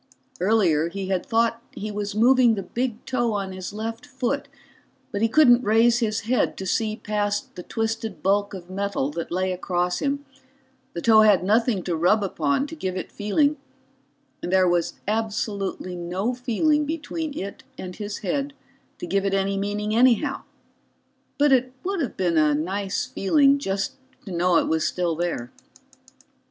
Earlier, he had thought he was moving the big toe on his left foot, but he couldn't raise his head to see past the twisted bulk of metal that lay across him, the toe had nothing to rub upon to give it feeling, and there was absolutely no feeling between it and his head to give it any meaning anyhow. But it would have been a nice feeling just to know it was still there.